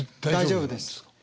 大丈夫です。